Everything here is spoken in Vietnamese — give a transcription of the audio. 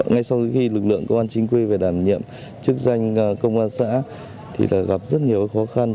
ngay sau khi lực lượng công an chính quy về đảm nhiệm chức danh công an xã thì gặp rất nhiều khó khăn